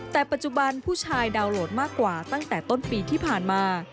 แต่ปัจจุบันผู้ชายดาวนโหลดมากกว่าตั้งแต่ต้นปีที่ผ่านมา